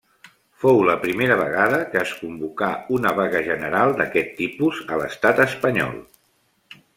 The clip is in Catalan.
Fou la primera vegada que es convocà una vaga general d'aquest tipus a l'estat espanyol.